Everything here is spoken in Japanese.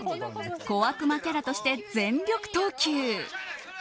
小悪魔キャラとして全力投球。